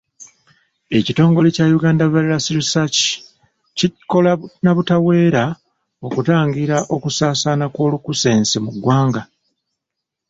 Ekitongole kya Uganda Virus Research kikola na butaweera okutangira okusaasaana kw'olunkusense mu ggwanga.